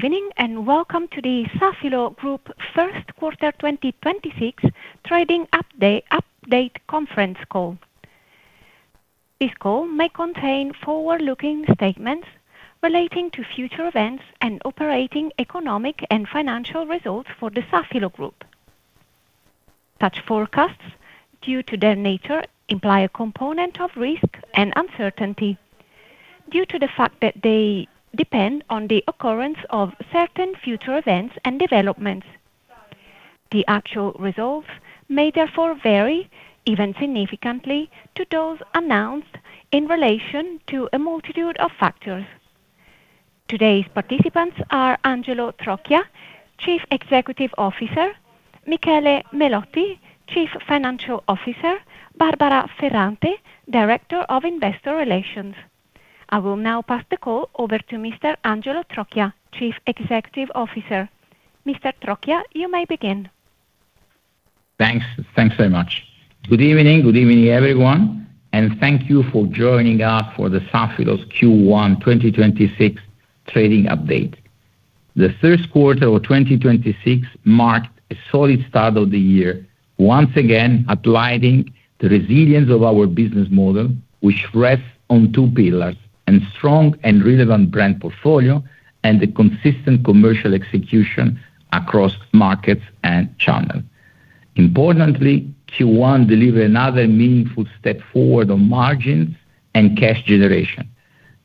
Good evening, welcome to the Safilo Group first quarter 2026 trading update conference call. This call may contain forward-looking statements relating to future events and operating economic and financial results for the Safilo Group. Such forecasts, due to their nature, imply a component of risk and uncertainty due to the fact that they depend on the occurrence of certain future events and developments. The actual results may therefore vary, even significantly, to those announced in relation to a multitude of factors. Today's participants are Angelo Trocchia, Chief Executive Officer, Michele Melotti, Chief Financial Officer, Barbara Ferrante, Director of Investor Relations. I will now pass the call over to Mr. Angelo Trocchia, Chief Executive Officer. Mr. Trocchia, you may begin. Thanks. Thanks very much. Good evening. Good evening, everyone, and thank you for joining us for the Safilo's Q1 2026 trading update. The first quarter of 2026 marked a solid start of the year, once again highlighting the resilience of our business model, which rests on two pillars, a strong and relevant brand portfolio and a consistent commercial execution across markets and channels. Importantly, Q1 delivered another meaningful step forward on margins and cash generation.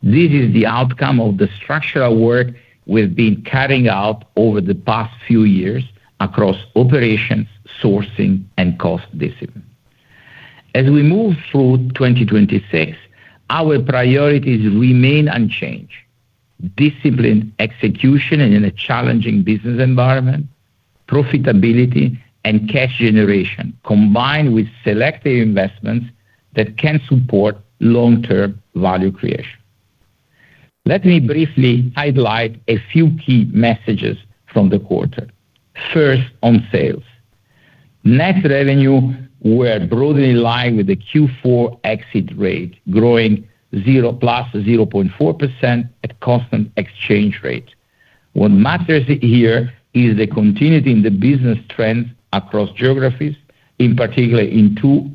This is the outcome of the structural work we've been carrying out over the past few years across operations, sourcing and cost discipline. As we move through 2026, our priorities remain unchanged. Disciplined execution in a challenging business environment, profitability and cash generation, combined with selective investments that can support long-term value creation. Let me briefly highlight a few key messages from the quarter. First, on sales. Net revenue were broadly in line with the Q4 exit rate, growing 0%+ or 0.4% at constant exchange rate. What matters here is the continuity in the business trends across geographies, in particular in two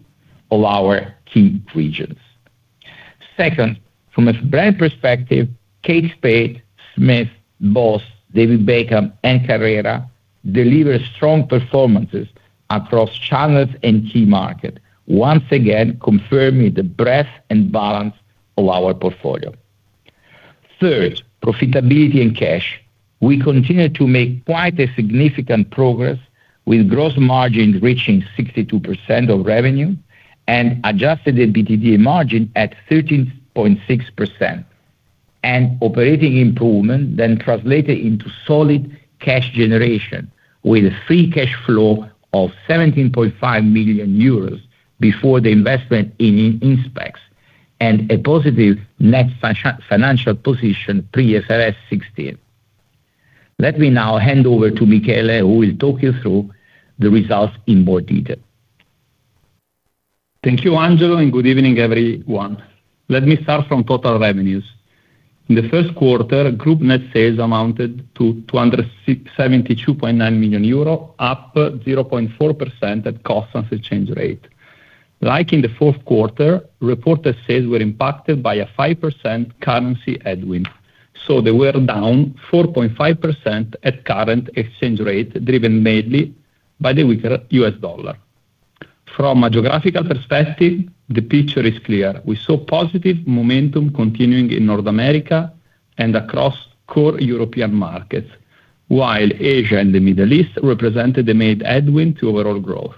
of our key regions. Second, from a brand perspective, Kate Spade, Smith, BOSS, David Beckham and Carrera deliver strong performances across channels and key markets, once again confirming the breadth and balance of our portfolio. Third, profitability and cash. We continue to make quite a significant progress with gross margin reaching 62% of revenue and Adjusted EBITDA margin at 13.6%. Operating improvement then translated into solid cash generation with free cash flow of 17.5 million euros before the investment in Inspecs, and a positive net financial position pre IFRS 16. Let me now hand over to Michele, who will talk you through the results in more detail. Thank you, Angelo. Good evening, everyone. Let me start from total revenues. In the first quarter, group net sales amounted to 272.9 million euro, up 0.4% at cost and exchange rate. Like in the fourth quarter, reported sales were impacted by a 5% currency headwind, so they were down 4.5% at current exchange rate, driven mainly by the weaker U.S. dollar. From a geographical perspective, the picture is clear. We saw positive momentum continuing in North America and across core European markets, while Asia and the Middle East represented the main headwind to overall growth.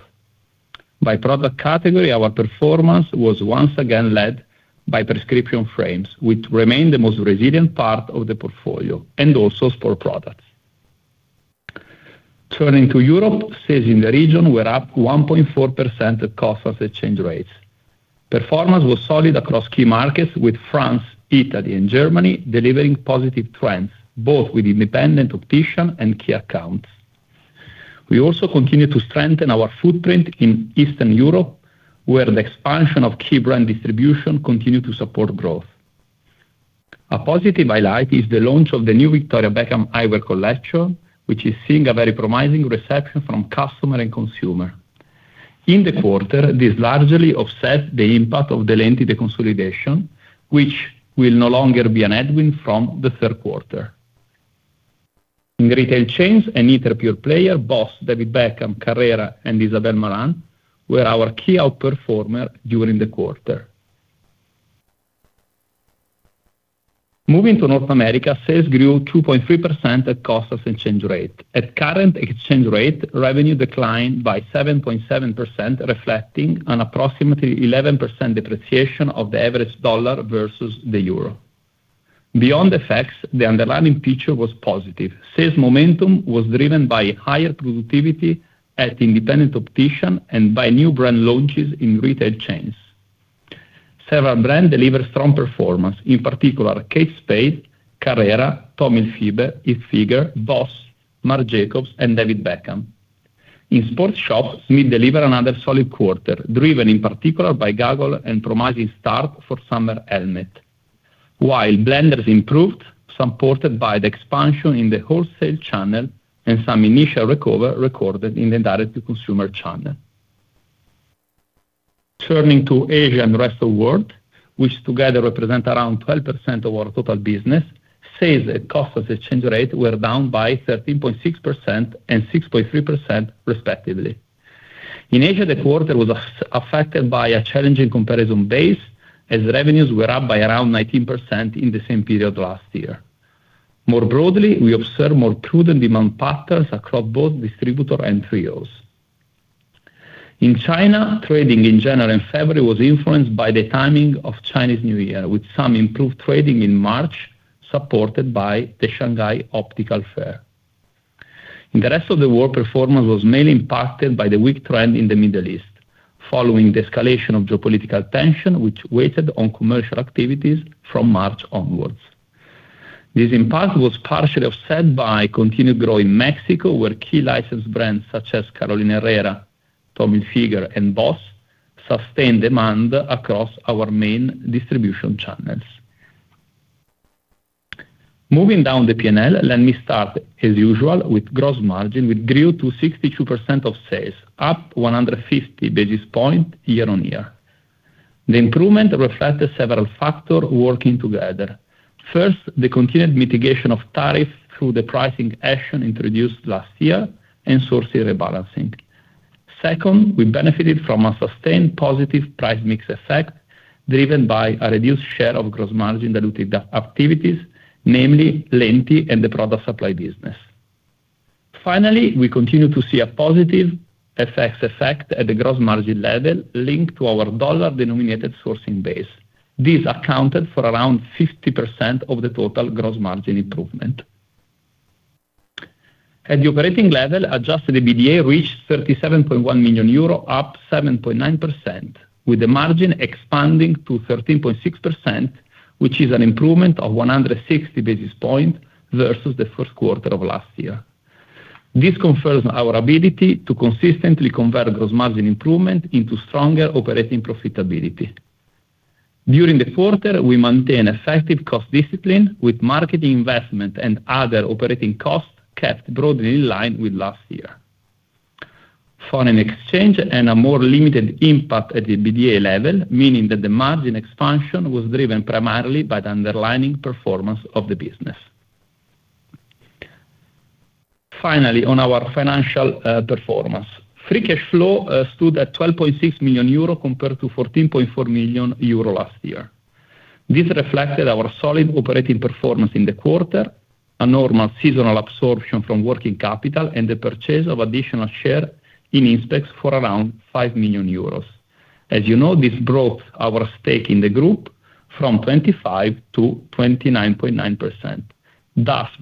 By product category, our performance was once again led by prescription frames, which remain the most resilient part of the portfolio and also sport products. Turning to Europe, sales in the region were up 1.4% at cost of exchange rates. Performance was solid across key markets with France, Italy and Germany delivering positive trends, both with independent opticians and key accounts. We also continue to strengthen our footprint in Eastern Europe, where the expansion of key brand distribution continues to support growth. A positive highlight is the launch of the new Victoria Beckham eyewear collection, which is seeing a very promising reception from customers and consumers. In the quarter, this largely offset the impact of the Lenti consolidation, which will no longer be a headwind from the third quarter. In retail chains and e-tail pure players, BOSS, David Beckham, Carrera and Isabel Marant were our key outperformers during the quarter. Moving to North America, sales grew 2.3% at constant exchange rate. At current exchange rate, revenue declined by 7.7%, reflecting an approximately 11% depreciation of the average U.S. dollar versus the euro. Beyond the facts, the underlying picture was positive. Sales momentum was driven by higher productivity at independent opticians and by new brand launches in retail chains. Several brands delivered strong performance, in particular Kate Spade, Carrera, Tommy Hilfiger, BOSS, Marc Jacobs and David Beckham. In sports shops, we deliver another solid quarter, driven in particular by goggles and promising start for summer helmet. While Blenders improved, supported by the expansion in the wholesale channel and some initial recovery recorded in the direct-to-consumer channel. Turning to Asia and rest of world, which together represent around 12% of our total business, sales at cost of exchange rate were down by 13.6% and 6.3% respectively. In Asia, the quarter was affected by a challenging comparison base as revenues were up by around 19% in the same period last year. More broadly, we observe more prudent demand patterns across both distributor and trios. In China, trading in January and February was influenced by the timing of Chinese New Year, with some improved trading in March, supported by the Shanghai Optical Fair. In the rest of the world, performance was mainly impacted by the weak trend in the Middle East, following the escalation of geopolitical tension which weighed on commercial activities from March onwards. This impact was partially offset by continued growth in Mexico, where key licensed brands such as Carolina Herrera, Tommy Hilfiger, and BOSS sustained demand across our main distribution channels. Moving down the P&L, let me start as usual with gross margin, which grew to 62% of sales, up 150 basis points year-over-year. The improvement reflected several factors working together. First, the continued mitigation of tariffs through the pricing action introduced last year and source rebalancing. Second, we benefited from a sustained positive price mix effect driven by a reduced share of gross margin diluted activities, namely Lenti and the product supply business. Finally, we continue to see a positive FX effect at the gross margin level linked to our dollar-denominated sourcing base. This accounted for around 50% of the total gross margin improvement. At the operating level, Adjusted EBITDA reached 37.1 million euro, up 7.9%, with the margin expanding to 13.6%, which is an improvement of 160 basis points versus the first quarter of last year. This confirms our ability to consistently convert gross margin improvement into stronger operating profitability. During the quarter, we maintain effective cost discipline with marketing investment and other operating costs kept broadly in line with last year. Foreign exchange had a more limited impact at the EBITDA level, meaning that the margin expansion was driven primarily by the underlying performance of the business. On our financial performance. Free cash flow stood at 12.6 million euro compared to 14.4 million euro last year. This reflected our solid operating performance in the quarter, a normal seasonal absorption from working capital, and the purchase of additional share in Inspecs for around 5 million euros. As you know, this brought our stake in the group from 25% to 29.9%.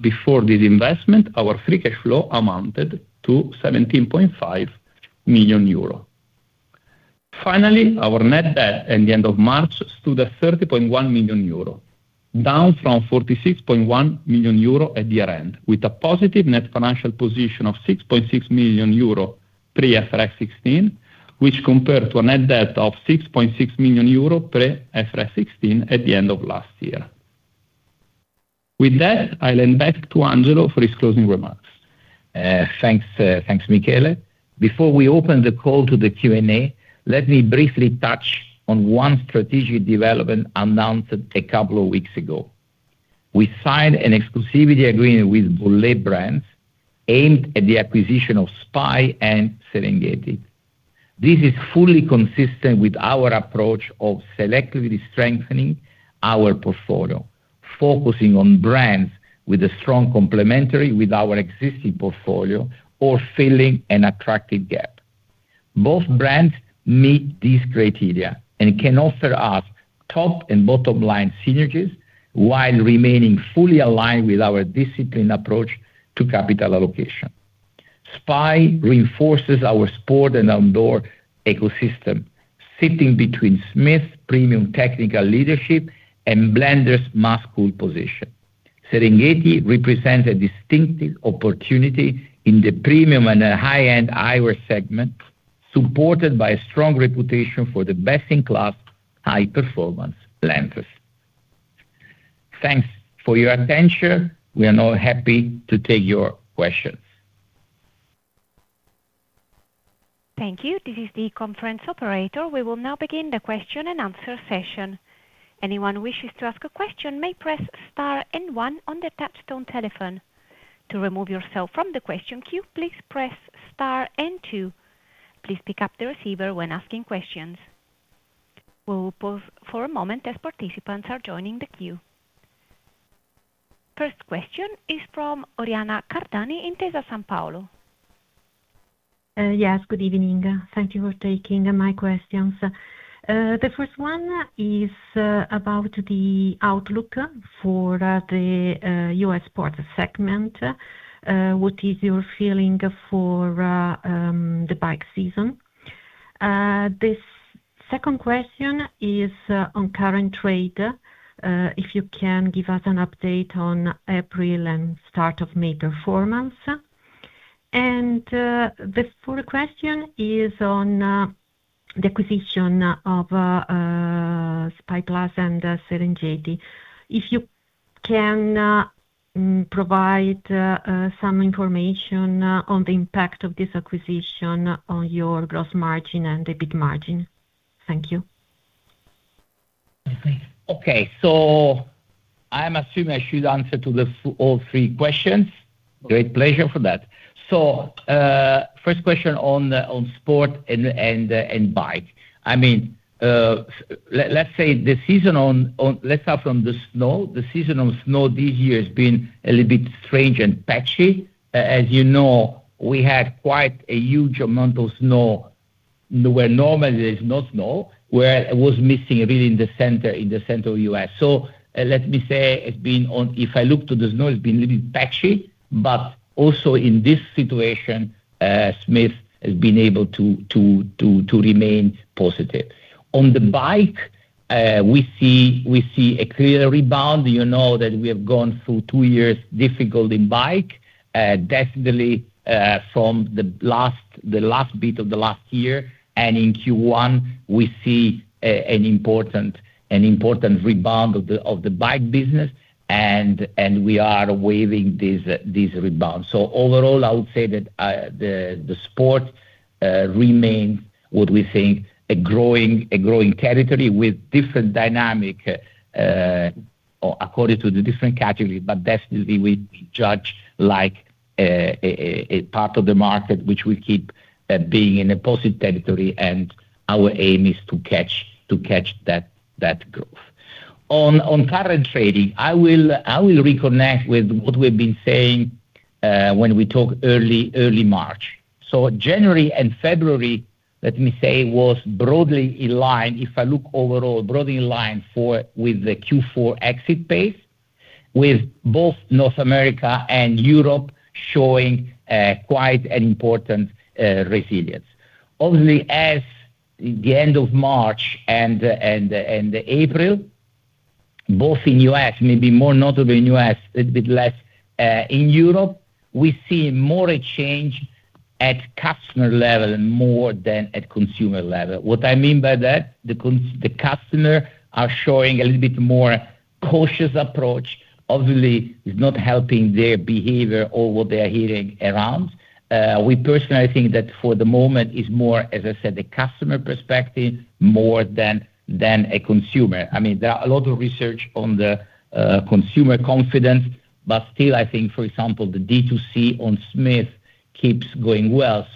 Before this investment, our free cash flow amounted to 17.5 million euro. Our net debt at the end of March stood at 30.1 million euro, down from 46.1 million euro at year-end, with a positive net financial position of 6.6 million euro pre IFRS 16, which compared to a net debt of 6.6 million euro pre IFRS 16 at the end of last year. With that, I'll hand back to Angelo for his closing remarks. Thanks, Michele. Before we open the call to the Q&A, let me briefly touch on one strategic development announced a couple of weeks ago. We signed an exclusivity agreement with Bollé Brands aimed at the acquisition of SPY+ and Serengeti. This is fully consistent with our approach of selectively strengthening our portfolio, focusing on brands with a strong complementary with our existing portfolio or filling an attractive gap. Both brands meet these criteria and can offer us top and bottom line synergies while remaining fully aligned with our disciplined approach to capital allocation. SPY+ reinforces our sport and outdoor ecosystem, sitting between Smith's premium technical leadership and Blenders' mass cool position. Serengeti represents a distinctive opportunity in the premium and high-end eyewear segment, supported by a strong reputation for the best-in-class high-performance lenses. Thanks for your attention. We are now happy to take your questions. Thank you. This is the conference operator. We will now begin the question and answer session. Anyone who wishes to ask a question may press star and one on the touchtone telephone. To remove yourself from the question queue, please press star and two. Please pick up the receiver when asking questions. We will pause for a moment as participants are joining the queue. First question is from Oriana Cardani, Intesa Sanpaolo. Yes, good evening. Thank you for taking my questions. The first one is about the outlook for the U.S. sports segment. What is your feeling for the bike season? This second question is on current trade. If you can give us an update on April and start of May performance. The third question is on the acquisition of SPY+ and Serengeti. If you can provide some information on the impact of this acquisition on your gross margin and EBIT margin. Thank you. Okay. I'm assuming I should answer to all three questions. Great pleasure for that. I mean, first question on sport and bike. Let's start from the snow. The season on snow this year has been a little bit strange and patchy. As you know, we had quite a huge amount of snow where normally there's no snow, where it was missing a bit in the center, in the central U.S. Let me say if I look to the snow, it's been a little bit patchy. Also in this situation, Smith has been able to remain positive. On the bike, we see a clear rebound. You know that we have gone through two years difficult in bike. Definitely, from the last bit of the last year and in Q1, we see an important rebound of the bike business and we are waiving this rebound. Overall, I would say that the sport remains what we think a growing territory with different dynamic according to the different category. Definitely we judge like a part of the market which will keep being in a positive territory, and our aim is to catch that growth. On current trading, I will reconnect with what we've been saying when we talk early March. January and February, let me say, was broadly in line, if I look overall, broadly in line with the Q4 exit pace, with both North America and Europe showing quite an important resilience. Obviously, as the end of March and, and April, both in U.S., maybe more notably in U.S., a little bit less in Europe, we see more a change at customer level more than at consumer level. What I mean by that, the customer are showing a little bit more cautious approach. Obviously, it's not helping their behavior or what they are hearing around. We personally think that for the moment it's more, as I said, the customer perspective more than a consumer. I mean, there are a lot of research on the consumer confidence, but still, I think, for example, the D2C on Smith keeps going well.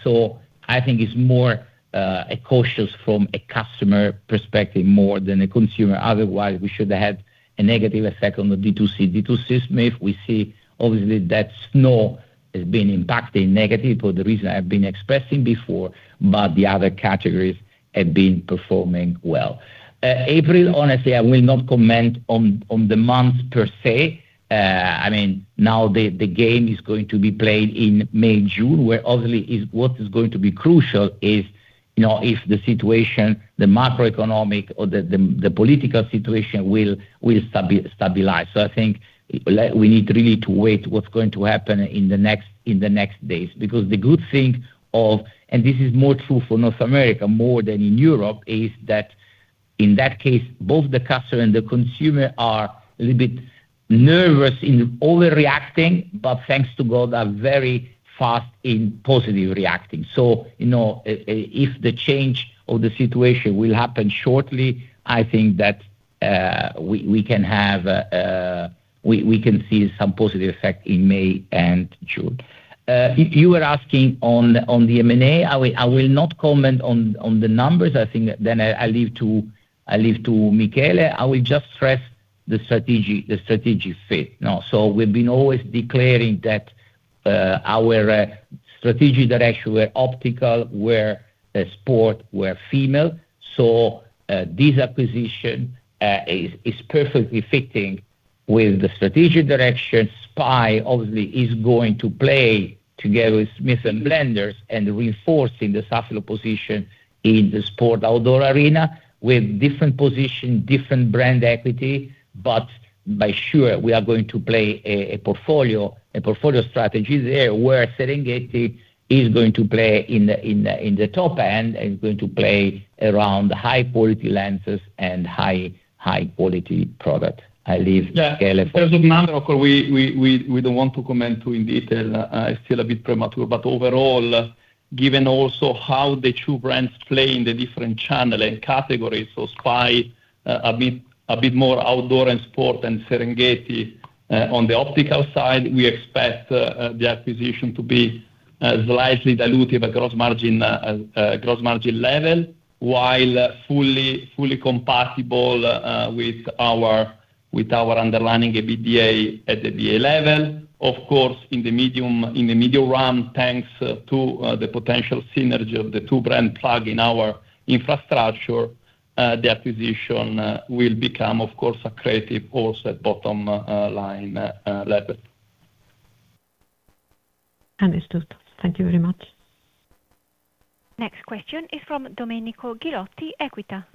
I think it's more a cautious from a customer perspective more than a consumer, otherwise we should have a negative effect on the D2C. D2C Smith, we see obviously that snow has been impacting negative for the reason I've been expressing before, but the other categories have been performing well. April, honestly, I will not comment on the month per se. I mean, now the game is going to be played in May, June, where obviously what is going to be crucial is, you know, if the situation, the macroeconomic or the political situation will stabilize. I think we need really to wait what's going to happen in the next days. The good thing of, and this is more true for North America more than in Europe, is that in that case, both the customer and the consumer are a little bit nervous in overreacting, but thanks to God, are very fast in positive reacting. You know, if the change of the situation will happen shortly, I think that we can have, we can see some positive effect in May and June. You were asking on the M&A. I will not comment on the numbers. I think I leave to Michele. I will just stress the strategic fit. We've been always declaring that our strategic direction were optical, were sport, were female. This acquisition is perfectly fitting with the strategic direction. SPY+ obviously is going to play together with Smith and Blenders and reinforce in the Safilo position in the sport outdoor arena with different position, different brand equity. By sure, we are going to play a portfolio strategy there where Serengeti is going to play in the top end and going to play around high quality lenses and high quality product. Yeah. In terms of number, of course, we don't want to comment too in detail. It's still a bit premature. Overall, given also how the two brands play in the different channel and categories, SPY+, a bit more outdoor and sport than Serengeti. On the optical side, we expect the acquisition to be slightly dilutive at gross margin level, while fully compatible with our underlying EBITDA at EBITDA level. Of course, in the medium realm, thanks to the potential synergy of the two brand plug in our infrastructure, the acquisition will become of course accretive also at bottom line level. Understood. Thank you very much. Next question is from Domenico Ghilotti, Equita.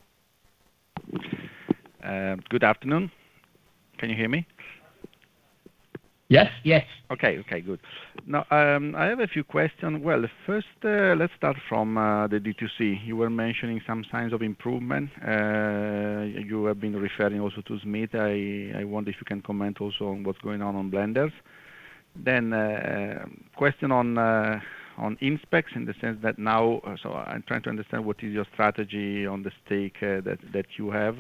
Good afternoon. Can you hear me? Yes. Yes. Okay. Okay, good. I have a few questions. First, let's start from the D2C. You were mentioning some signs of improvement. You have been referring also to Smith. I wonder if you can comment also on what's going on on Blenders. Question on Inspecs in the sense that I'm trying to understand what is your strategy on the stake that you have.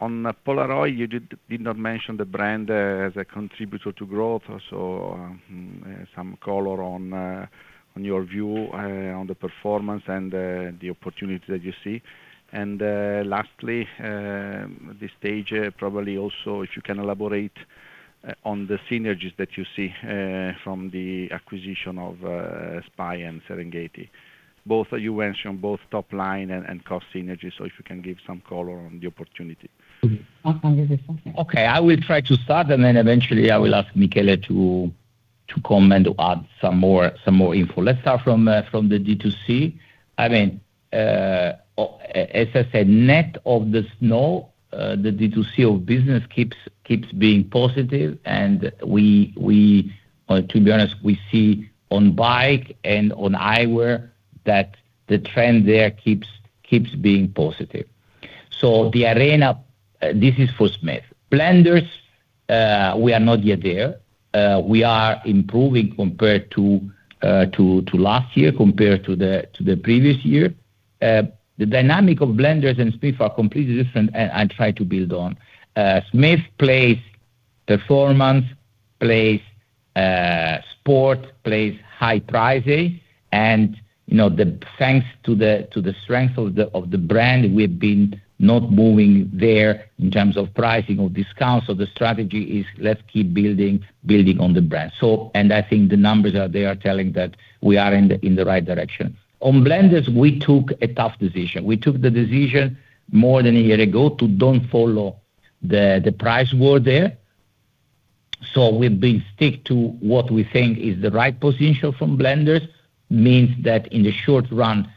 On Polaroid, you did not mention the brand as a contributor to growth. Some color on your view on the performance and the opportunity that you see. Lastly, at this stage, probably also if you can elaborate on the synergies that you see from the acquisition of SPY+ and Serengeti. Both, you mentioned both top line and cost synergies, so if you can give some color on the opportunity. I can give you something. Okay. I will try to start, and then eventually I will ask Michele to comment or add some more info. Let's start from the D2C. I mean, as I said, net of the snow, the D2C of business keeps being positive and we, to be honest, we see on bike and on eyewear that the trend there keeps being positive. The arena, this is for Smith. Blenders, we are not yet there. We are improving compared to last year, compared to the previous year. The dynamic of Blenders and Smith are completely different, and I try to build on. Smith plays performance, plays sport, plays high pricing, and, you know, thanks to the strength of the brand, we've been not moving there in terms of pricing or discounts. And I think the numbers are there telling that we are in the right direction. On Blenders, we took a tough decision. We took the decision more than a year ago to don't follow the price war there. We've been stick to what we think is the right position from Blenders. Means that in the short run,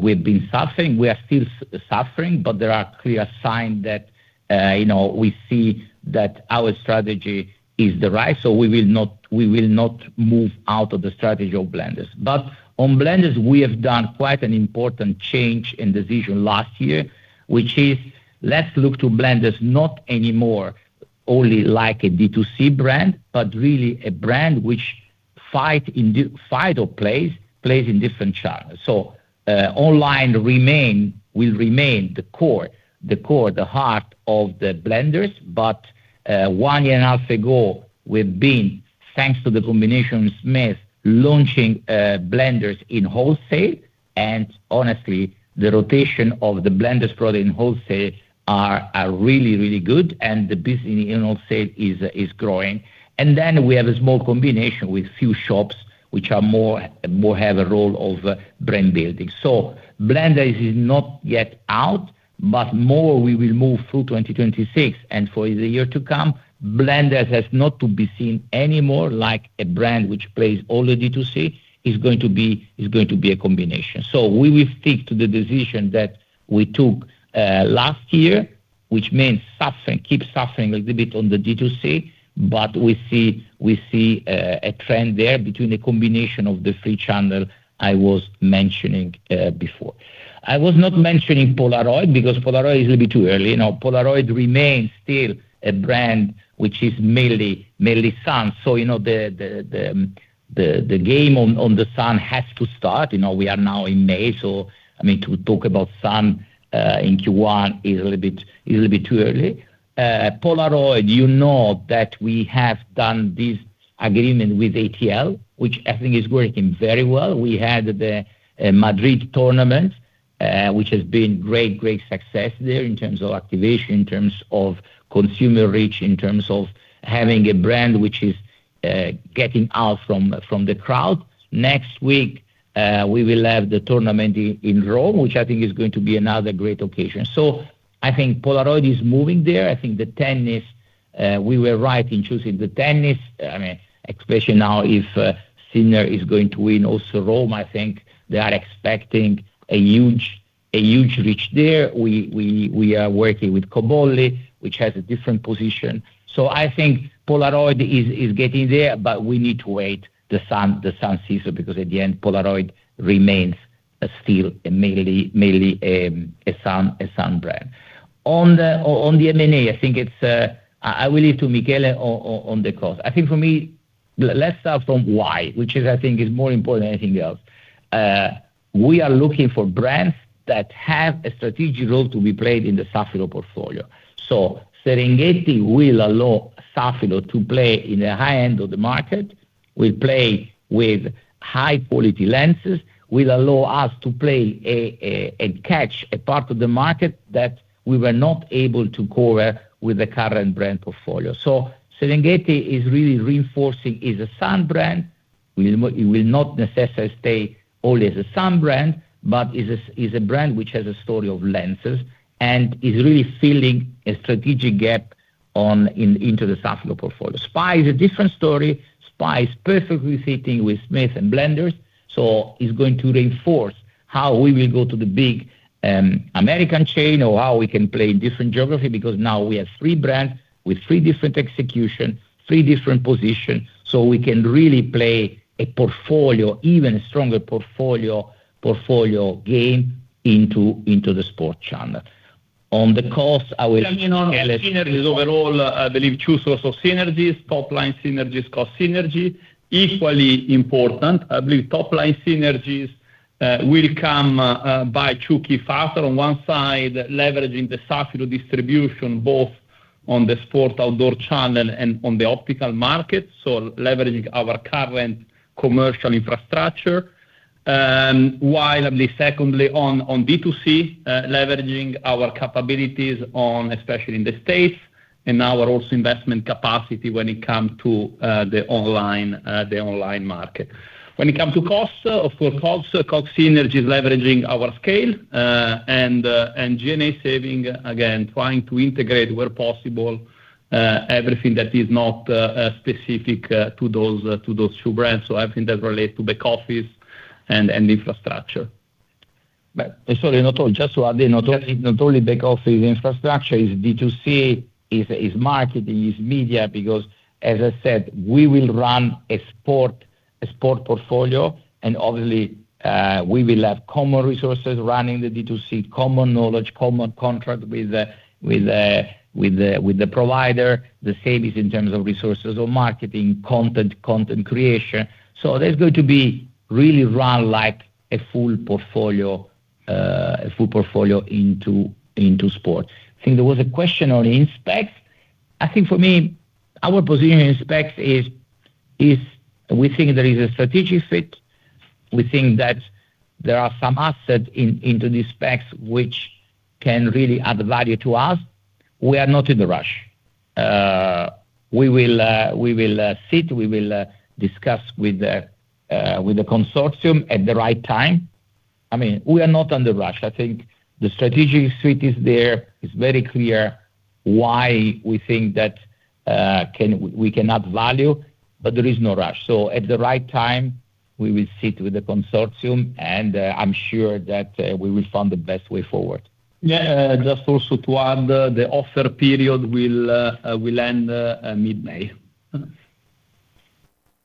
we've been suffering. We are still suffering, but there are clear signs that, you know, we see that our strategy is the right, we will not move out of the strategy of Blenders. On Blenders, we have done quite an important change in decision last year, which is let's look to Blenders not anymore only like a D2C brand, but really a brand which fight or plays in different channels. Online will remain the core, the heart of the Blenders. One year and a half ago, we've been, thanks to the combination with Smith, launching Blenders in wholesale, and honestly, the rotation of the Blenders product in wholesale are really good, and the business in wholesale is growing. We have a small combination with few shops which are more have a role of brand building. Blenders is not yet out, but more we will move through 2026 and for the year to come. Blenders has not to be seen anymore like a brand which plays only D2C. It's going to be a combination. We will stick to the decision that we took last year, which means suffering, keep suffering a little bit on the D2C, but we see a trend there between the combination of the three channel I was mentioning before. I was not mentioning Polaroid because Polaroid is a little bit too early. You know, Polaroid remains still a brand which is mainly sun. You know, the game on the sun has to start. You know, we are now in May, so I mean, to talk about sun in Q1 is a little bit too early. Polaroid, you know that we have done this agreement with ATL, which I think is working very well. We had the Madrid tournament, which has been great success there in terms of activation, in terms of consumer reach, in terms of having a brand which is getting out from the crowd. Next week, we will have the tournament in Rome, which I think is going to be another great occasion. I think Polaroid is moving there. I think the tennis, we were right in choosing the tennis. I mean, especially now if Sinner is going to win also Rome, I think they are expecting a huge reach there. We are working with Cobolli, which has a different position. I think Polaroid is getting there, but we need to wait the sun season because at the end, Polaroid remains still a mainly sun brand. On the M&A, I think it's, I will leave to Michele on the cost. I think for me, let's start from why, which is I think is more important than anything else. We are looking for brands that have a strategic role to be played in the Safilo portfolio. Serengeti will allow Safilo to play in the high end of the market, will play with high quality lenses, will allow us to catch a part of the market that we were not able to cover with the current brand portfolio. Serengeti is really reinforcing, is a sun brand. We will not necessarily stay only as a sun brand, but is a brand which has a story of lenses and is really filling a strategic gap into the Safilo portfolio. SPY+ is a different story. SPY+ is perfectly fitting with Smith and Blenders, so is going to reinforce how we will go to the big American chain or how we can play different geography because now we have three brands with three different execution, three different position. We can really play a portfolio, even a stronger portfolio game into the sport channel. On the cost, I will- You know, synergies overall, I believe two source of synergies. Top line synergies, cost synergy. Equally important, I believe top line synergies will come by two key factor. On one side, leveraging the Safilo distribution, both on the sport outdoor channel and on the optical market, so leveraging our current commercial infrastructure. While at least secondly on B2C, leveraging our capabilities on especially in the States and our also investment capacity when it comes to the online market. When it comes to costs, of course, cost synergies leveraging our scale and G&A saving, again, trying to integrate where possible, everything that is not specific to those two brands, so everything that relates to back office and infrastructure. Sorry, not all. Just to add, not only back office infrastructure is B2C, is marketing, is media, because as I said, we will run a sport portfolio and obviously, we will have common resources running the B2C, common knowledge, common contract with the provider, the savings in terms of resources or marketing, content creation. There's going to be really run like a full portfolio into sport. I think there was a question on Inspecs. I think for me, our position in Inspecs is we think there is a strategic fit. We think that there are some assets into the Inspecs which can really add value to us. We are not in a rush. We will sit, we will discuss with the consortium at the right time. I mean, we are not on the rush. I think the strategic fit is there. It's very clear why we think that we can add value, but there is no rush. At the right time, we will sit with the consortium, and I'm sure that we will find the best way forward. Just also to add, the offer period will end, mid-May.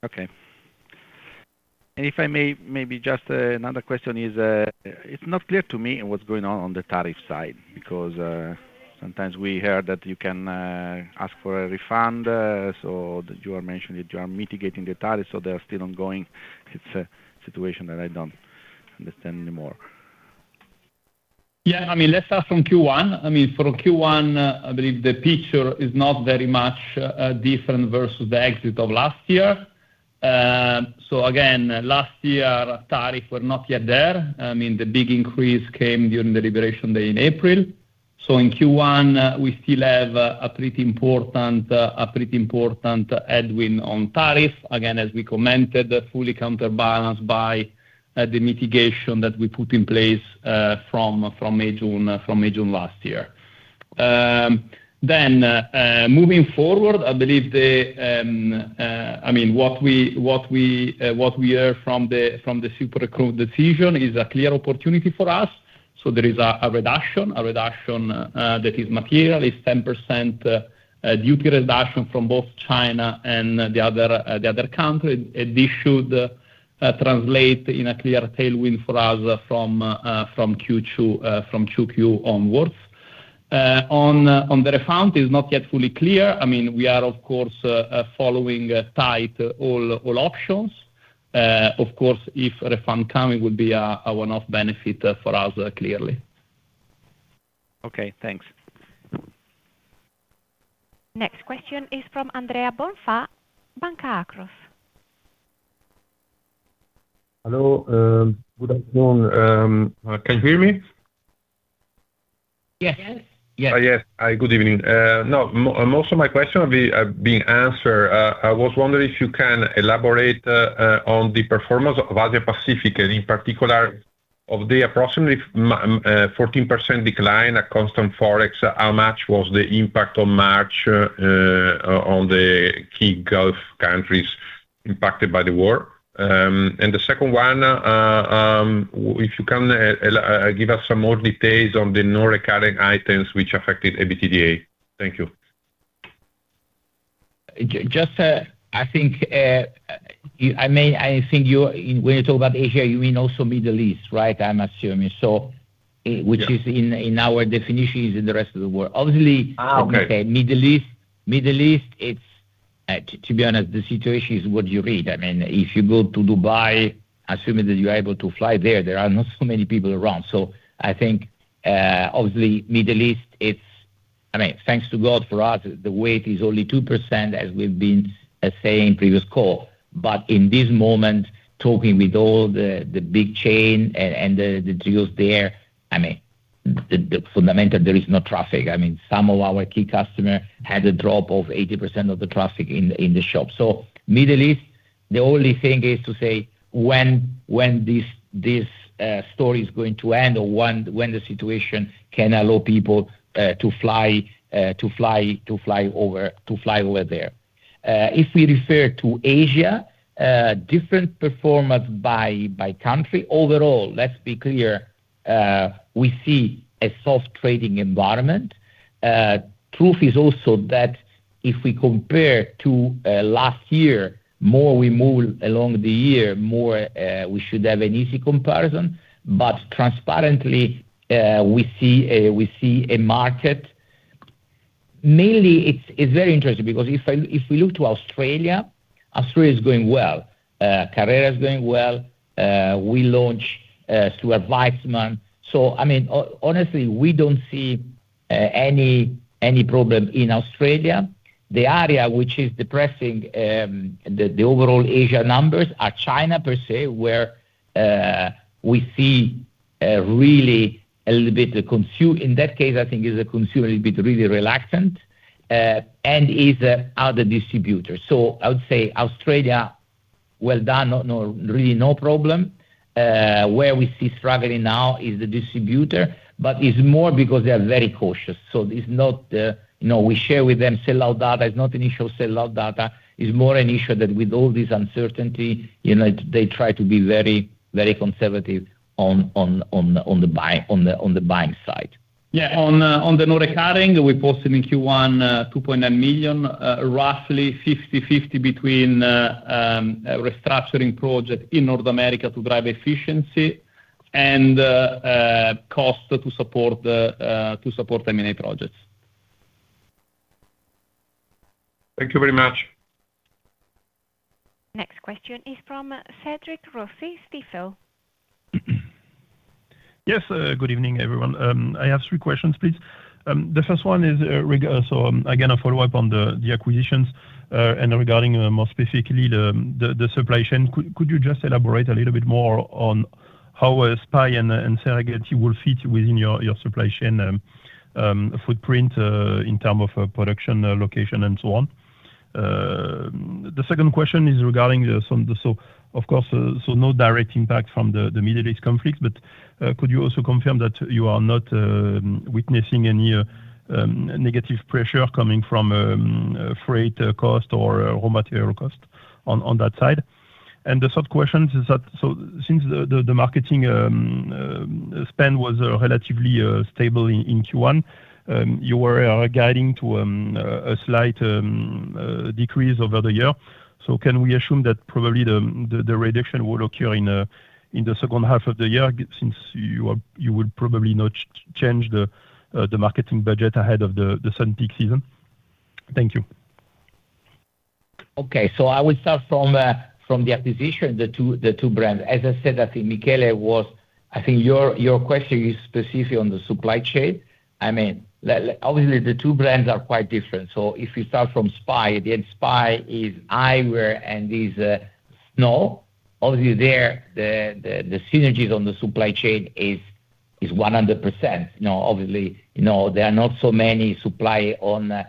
Okay. If I may, maybe just another question is, it's not clear to me what's going on on the tariff side because sometimes we hear that you can ask for a refund, so that you are mentioning that you are mitigating the tariff, so they are still ongoing. It's a situation that I don't understand anymore. I mean, let's start from Q1. I mean, from Q1, I believe the picture is not very much different versus the exit of last year. Again, last year tariffs were not yet there. I mean, the big increase came during the liberation day in April. In Q1, we still have a pretty important headwind on tariffs. Again, as we commented, fully counterbalanced by the mitigation that we put in place from mid-June last year. Moving forward, I mean, what we hear from the Supreme Court decision is a clear opportunity for us. There is a reduction that is material. It's 10% duty reduction from both China and the other country. This should translate in a clear tailwind for us from Q2 from 2Q onwards. On the refund, it's not yet fully clear. I mean, we are of course, following tight all options. Of course, if refund coming, it would be a one-off benefit for us, clearly. Okay, thanks. Next question is from Andrea Bonfà, Banca Akros. Hello. Good afternoon. Can you hear me? Yes. Yes. Yes. Hi, good evening. No, most of my question have been answered. I was wondering if you can elaborate on the performance of Asia Pacific and in particular of the approximately 14% decline at constant Forex. How much was the impact on March on the key Gulf countries impacted by the war? The second one, if you can give us some more details on the non-recurring items which affected EBITDA. Thank you. Just, I think, I mean, when you talk about Asia, you mean also Middle East, right? I'm assuming so. Yeah. Which is in our definition is in the rest of the world. Okay. Middle East, it's to be honest, the situation is what you read. I mean, if you go to Dubai, assuming that you're able to fly there are not so many people around. I think, obviously Middle East, I mean, thanks to God, for us, the weight is only 2%, as we've been saying previous call. In this moment, talking with all the big chain and the deals there, the fundamental there is no traffic. I mean, some of our key customer had a drop of 80% of the traffic in the shop. Middle East, the only thing is to say when this story is going to end or when the situation can allow people to fly, to fly over, to fly over there. If we refer to Asia, different performance by country. Overall, let's be clear, we see a soft trading environment. Truth is also that if we compare to last year, more we move along the year, more we should have an easy comparison. Transparently, we see a market. Mainly, it's very interesting because if we look to Australia is going well. Carrera is going well. We launch Stuart Weitzman. I mean, honestly, we don't see any problem in Australia. The area which is depressing the overall Asia numbers are China per se, where we see really in that case, I think is the consumer a little bit really reluctant, and is other distributors. I would say Australia, well done. No, really no problem. Where we see struggling now is the distributor, but it's more because they are very cautious. It's not, you know, we share with them sellout data. It's not an issue of sellout data. It's more an issue that with all this uncertainty, you know, they try to be very conservative on the buying side. On the non-recurring, we posted in Q1, 2.9 million, roughly 50/50 between restructuring project in North America to drive efficiency and cost to support the M&A projects. Thank you very much. Next question is from Cédric Rossi, Stifel. Yes, good evening, everyone. I have three questions, please. The first one, again, a follow-up on the acquisitions and regarding more specifically the supply chain. Could you just elaborate a little bit more on how SPY+ and Serengeti will fit within your supply chain footprint in term of production location and so on? The second question is regarding no direct impact from the Middle East conflict, but could you also confirm that you are not witnessing any negative pressure coming from freight cost or raw material cost on that side? The third question is that, since the marketing spend was relatively stable in Q1, you are guiding to a slight decrease over the year. Can we assume that probably the reduction will occur in the second half of the year since you would probably not change the marketing budget ahead of the sun peak season? Thank you. Okay. I would start from the acquisition, the two brands. As I said, I think Michele was I think your question is specifically on the supply chain. I mean, like, obviously the two brands are quite different. If you start from SPY+, SPY+ is eyewear and is snow. Obviously there, the synergies on the supply chain is 100%. You know, obviously, you know, there are not so many supply on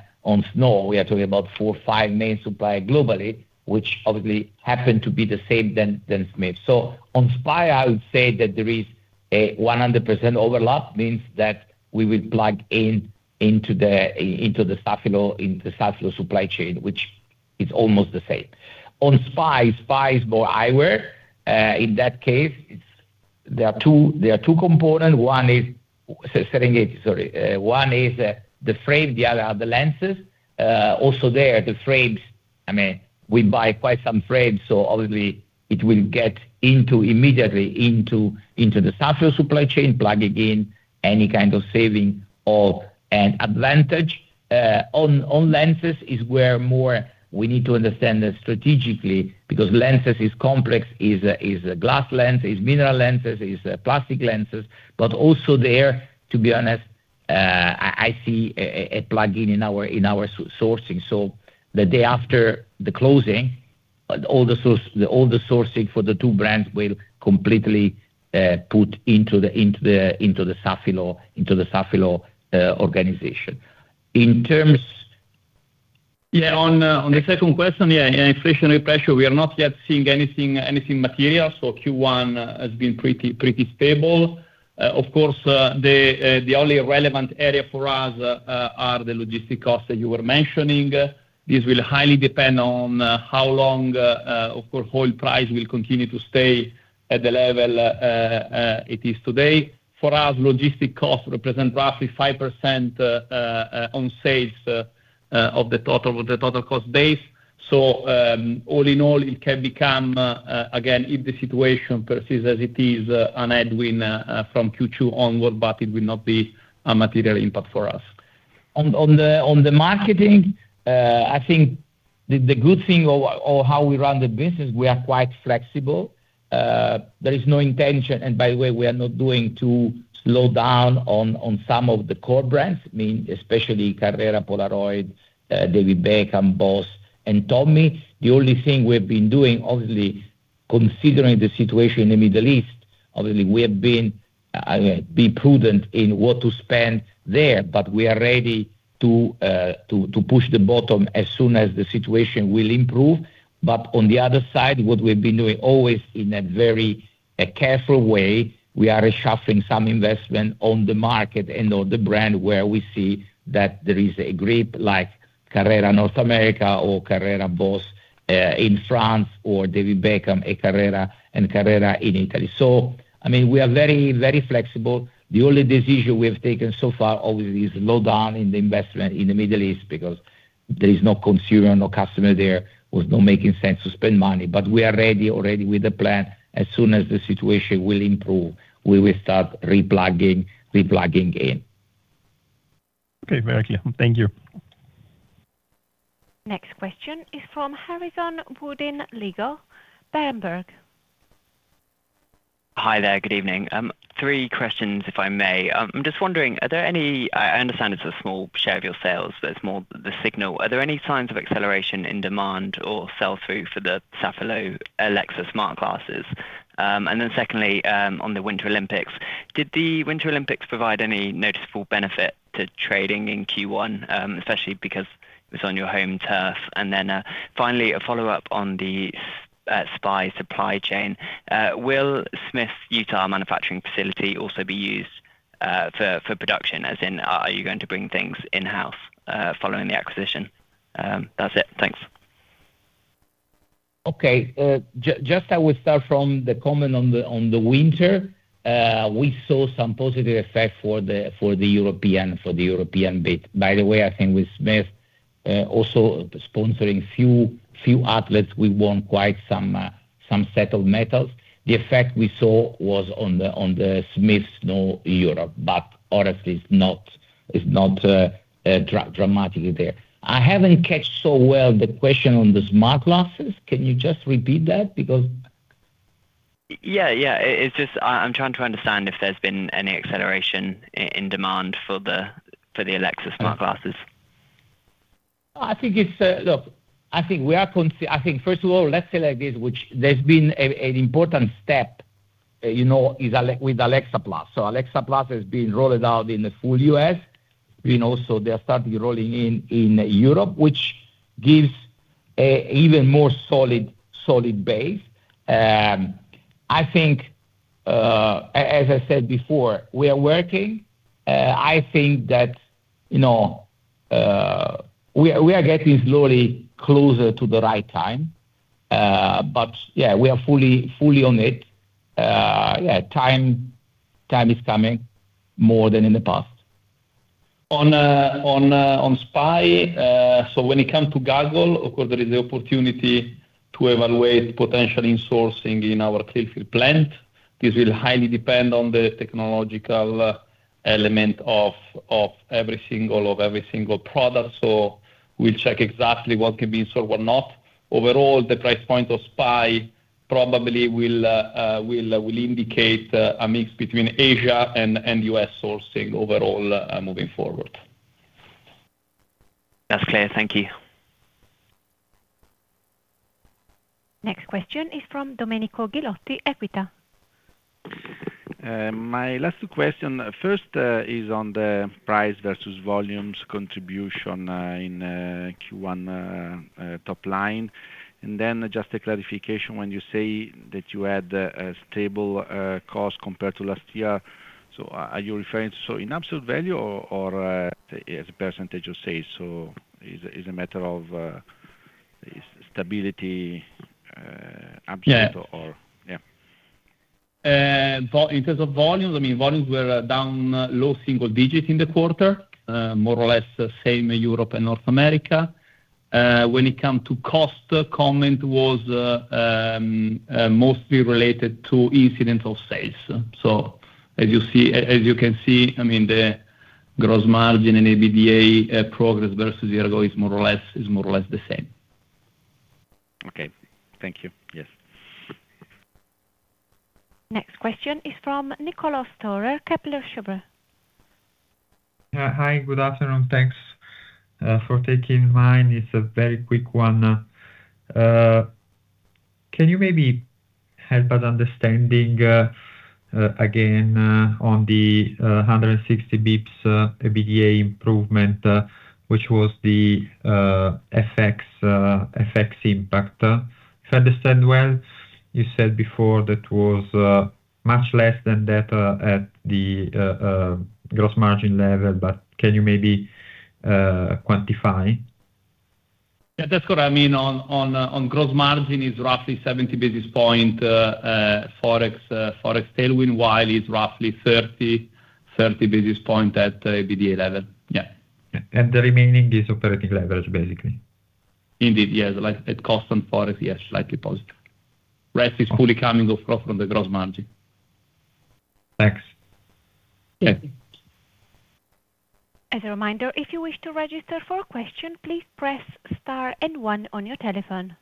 snow. We are talking about four or five main supplier globally, which obviously happen to be the same than Smith. On SPY+, I would say that there is a 100% overlap, means that we will plug in into the Safilo supply chain, which is almost the same. On SPY+, SPY+ is more eyewear. In that case, there are two components. One is selling it, sorry. One is the frame, the other are the lenses. Also there, the frames, I mean, we buy quite some frames, so obviously it will get immediately into the Safilo supply chain, plugging in any kind of saving or an advantage. On lenses is where more we need to understand strategically because lenses is complex. Is a glass lens, is mineral lenses, is plastic lenses. Also there, to be honest, I see a plug-in in our sourcing. The day after the closing, all the sourcing for the two brands will completely put into the Safilo organization. On the second question, inflationary pressure, we are not yet seeing anything material. Q1 has been pretty stable. Of course, the only relevant area for us are the logistic costs that you were mentioning. This will highly depend on how long, of course, oil price will continue to stay at the level it is today. For us, logistic costs represent roughly 5% on sales of the total cost base. All in all, it can become again, if the situation persists as it is, an headwind from Q2 onward, but it will not be a material impact for us. On the marketing, I think the good thing of how we run the business, we are quite flexible. There is no intention, and by the way, we are not going to slow down on some of the core brands, especially Carrera, Polaroid, David Beckham, BOSS, and Tommy. The only thing we've been doing, considering the situation in the Middle East, obviously, we have been prudent in what to spend there, but we are ready to push the bottom as soon as the situation will improve. On the other side, what we've been doing always in a very careful way, we are reshuffling some investment on the market and on the brand where we see that there is a grip like Carrera North America or BOSS, in France or David Beckham and Carrera, and Carrera in Italy. I mean, we are very, very flexible. The only decision we have taken so far always is low down in the investment in the Middle East because there is no consumer, no customer there. It was no making sense to spend money. We are ready already with the plan. As soon as the situation will improve, we will start replugging in. Okay. Very clear. Thank you. Next question is from Harrison Woodin-Lygo, Berenberg. Hi there. Good evening. Three questions, if I may. I'm just wondering, are there any I understand it's a small share of your sales, but it's more the signal. Are there any signs of acceleration in demand or sell-through for the Carrera Smart Glasses with Alexa? Did the Winter Olympics provide any noticeable benefit to trading in Q1, especially because it was on your home turf? Finally, a follow-up on the SPY+ supply chain. Will Smith Utah manufacturing facility also be used for production? As in, are you going to bring things in-house following the acquisition? That's it. Thanks. Okay. Just I will start from the comment on the winter. We saw some positive effect for the European bit. By the way, I think with Smith, also sponsoring few outlets, we won quite some set of medals. The effect we saw was on the Smith Snow Europe, but honestly, it's not dramatically there. I haven't catched so well the question on the smart glasses. Can you just repeat that? Yeah, yeah. It's just, I'm trying to understand if there's been any acceleration in demand for the Alexa smart glasses? I think first of all, let's say like this, there's been an important step, you know, with Alexa+. Alexa+ is being rolled out in the full U.S., you know, they are starting rolling in Europe, which gives a even more solid base. I think, as I said before, we are working. I think that, you know, we are getting slowly closer to the right time. Yeah, we are fully on it. Yeah, time is coming more than in the past. On SPY+, when it comes to goggle, of course there is the opportunity to evaluate potential in-sourcing in our Clearfield plant. This will highly depend on the technological element of every single product. We'll check exactly what can be in-source, what not. Overall, the price point of SPY+ probably will indicate a mix between Asia and U.S. sourcing overall moving forward. That's clear. Thank you. Next question is from Domenico Ghilotti, Equita. My last two question, first, is on the price versus volumes contribution, in Q1 top line. Just a clarification. When you say that you had a stable cost compared to last year, are you referring to so in absolute value or as a percentage of sales? Is a matter of stability absolute or- Yeah. Yeah. In terms of volumes, I mean, volumes were down low single digits in the quarter. More or less the same in Europe and North America. When it come to cost, the comment was mostly related to incidental sales. As you see, as you can see, I mean, the gross margin and EBITDA progress versus year ago is more or less the same. Okay. Thank you. Yes. Next question is from Niccolò Storer, Kepler Cheuvreux. Hi. Good afternoon. Thanks for taking mine. It's a very quick one. Can you maybe help us understanding again on the 160 basis points EBITDA improvement, which was the FX impact? If I understand well, you said before that was much less than that at the gross margin level, but can you maybe quantify? Yeah, that's what I mean. On gross margin is roughly 70 basis points Forex tailwind, while it's roughly 30 basis points at the EBITDA level. Yeah. The remaining is operating leverage, basically? Indeed. Yes. At constant Forex, yes, slightly positive. Rest is fully coming, of course, from the gross margin. Thanks. Yeah. As a reminder, if you wish to register for a question, please press star one on your telephone.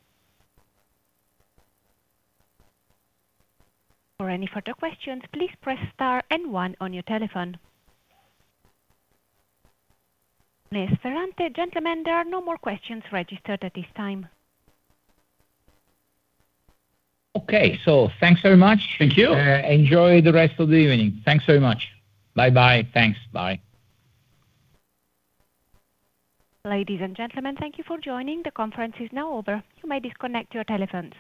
For any further questions, please press star one on your telephone. Ms. Ferrante, gentlemen, there are no more questions registered at this time. Okay. Thanks very much. Thank you. Enjoy the rest of the evening. Thanks very much. Bye-bye. Thanks. Bye. Ladies and gentlemen, thank you for joining. The conference is now over. You may disconnect your telephones.